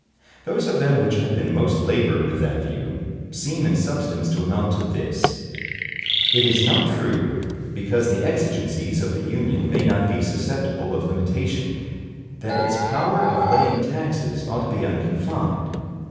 Those of them which have been most labored with that view, seem in substance to amount to this: "It is not true, because the exigencies of the Union may not be susceptible of limitation, that its power of laying taxes ought to be unconfined.